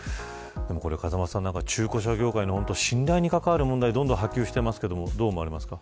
風間さん、中古車業界の信頼に関わる問題どんどん波及していますがどう思われますか。